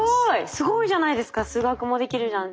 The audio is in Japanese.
すごいじゃないですか数学もできるなんて。